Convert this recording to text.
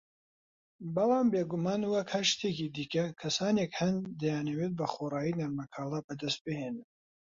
بەڵام بیگومان وەک هەر شتێکی دیکە، کەسانێک هەن دەیانەوێ بەخۆڕایی نەرمەکاڵا بەدەست بهێنن